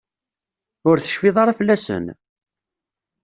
Ur tecfiḍ ara fell-asen?